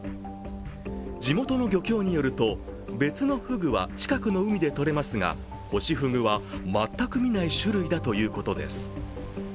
地元の漁協によると別のフグは近くの海でとれますが、ホシフグは全く見ない種類だということです。